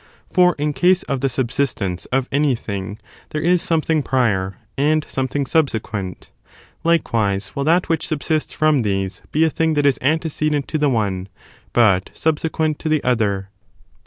For in case of the subsistence of any °"^*' thing, there is something prior, and something subsequent ; likewise will that which subsists from these be a thing that is antecedent to the one, but subsequent to the other.